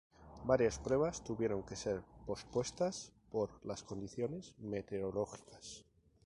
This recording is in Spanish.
Varias pruebas tuvieron que ser pospuestas por las condiciones meteorológicas.